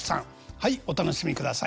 はいお楽しみください。